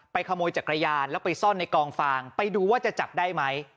ขโมยจักรยานแล้วไปซ่อนในกองฟางไปดูว่าจะจับได้ไหม